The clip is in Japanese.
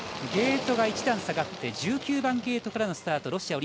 ゲートが１段、下がって１９番ゲートからのスタートです。